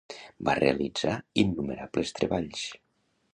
Va realitzar innumerables treballs.